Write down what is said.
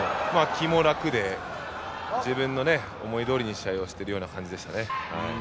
気も楽で、自分の思いどおりに試合をしている感じでしたね。